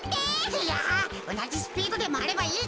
いやおなじスピードでまわればいいってか。